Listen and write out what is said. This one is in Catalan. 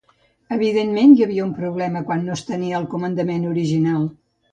Evidentment hi havia un problema quan no es tenia el comandament original.